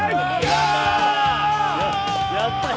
やったー！